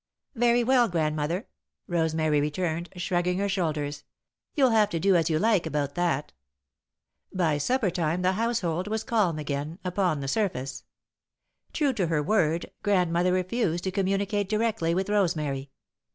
"Very well, Grandmother," Rosemary returned, shrugging her shoulders. "You'll have to do as you like about that." By supper time the household was calm again upon the surface. True to her word, Grandmother refused to communicate directly with Rosemary.